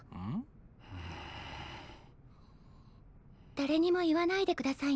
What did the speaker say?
だれにも言わないでくださいね。